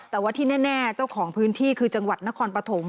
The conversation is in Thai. แต่ว่าที่แน่เจ้าของพื้นที่คือจังหวัดนครปฐม